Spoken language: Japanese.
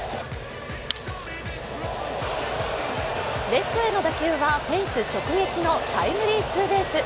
レフトへの打球は、フェンス直撃のタイムリーツーベース。